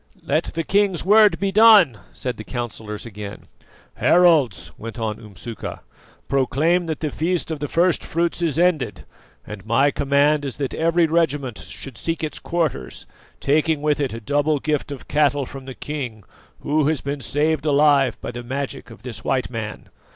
"Let the king's word be done," said the councillors again. "Heralds," went on Umsuka, "proclaim that the feast of the first fruits is ended, and my command is that every regiment should seek its quarters, taking with it a double gift of cattle from the king, who has been saved alive by the magic of this white man.